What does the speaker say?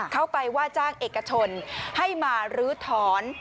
เข้าไปว่าจ้างเอกชนให้มาลื้อถอน